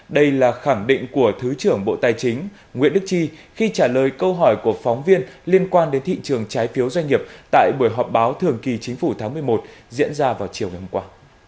đây là khẳng định của thứ trưởng bộ tài chính nguyễn đức chi khi trả lời câu hỏi của phóng viên liên quan đến thị trường trái phiếu doanh nghiệp tại buổi họp báo thường kỳ chính phủ tháng một mươi một diễn ra vào chiều ngày hôm qua